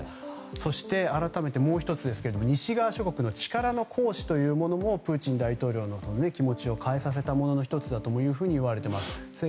そして、改めてもう１つですが西側諸国の力の行使もプーチン大統領の気持ちを変えさせたものの１つだといわれています。